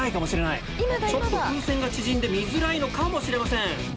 風船が縮んで見づらいのかもしれません。